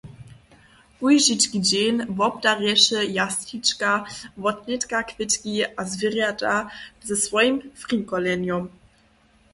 Kóždźički dźeń wobdarješe Jasnička wotnětka kwětki a zwěrjata ze swojim frinkolenjom.